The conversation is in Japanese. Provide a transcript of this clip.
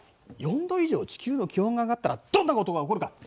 ４度以上地球の気温が上がったらどんなことが起こるか。